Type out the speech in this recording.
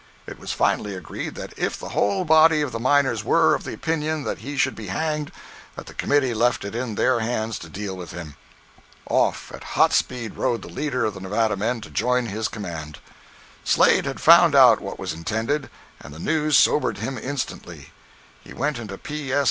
It was finally agreed that if the whole body of the miners were of the opinion that he should be hanged, that the committee left it in their hands to deal with him. Off, at hot speed, rode the leader of the Nevada men to join his command. Slade had found out what was intended, and the news sobered him instantly. He went into P. S.